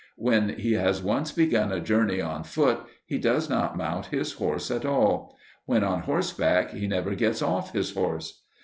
When he has once begun a journey on foot he does not mount his horse at all; when on horseback he never gets off his horse.